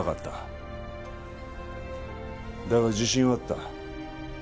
ただが自信はあった